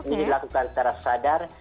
ini dilakukan secara sadar